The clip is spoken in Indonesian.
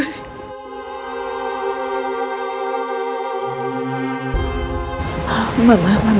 ini buat apa tadi mama